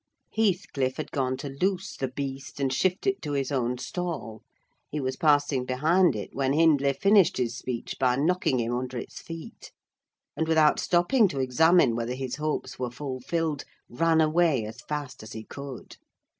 Heathcliff had gone to loose the beast, and shift it to his own stall; he was passing behind it, when Hindley finished his speech by knocking him under its feet, and without stopping to examine whether his hopes were fulfilled, ran away as fast as he could.